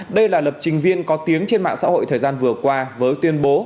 đây là lập trình viên có tiếng trên mạng xã hội thời gian vừa qua với tuyên bố